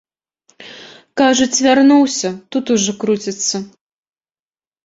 Кажуць, вярнуўся, тут ужо круціцца.